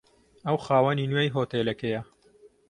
ئەو خاوەنی نوێی هۆتێلەکەیە.